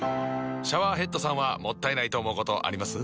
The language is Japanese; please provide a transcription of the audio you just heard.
シャワーヘッドさんはもったいないと思うことあります？